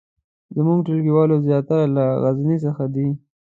زمونږ ټولګیوال زیاتره له غزني څخه دي